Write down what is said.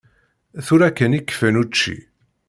Tura kan i kfan učči.